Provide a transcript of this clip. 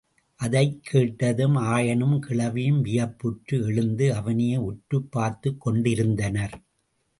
அதைக் கேட்டதும், ஆயனும் கிழவியும் வியப்புற்று எழுந்து, அவனையே உற்றுப் பார்த்துக்கொண்டிருந்தனர்.